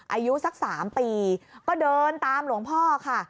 อายุสัก๓ปีก็เดินตามหลวงพ่อค่ะ